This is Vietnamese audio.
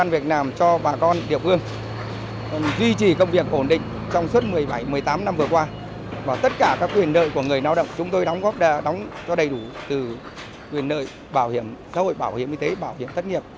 và tất cả các quyền nợ của người lao động chúng tôi đóng góp cho đầy đủ từ quyền nợ giáo hội bảo hiểm y tế bảo hiểm tất nghiệp